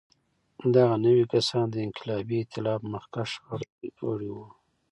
دغه نوي کسان د انقلابي اېتلاف مخکښ غړي وو.